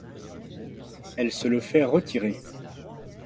Elle se le fait retirer.